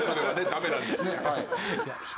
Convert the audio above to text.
ダメなんですね。